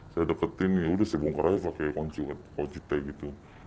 saya deketin ya udah saya bongkar aja pake kunci t gitu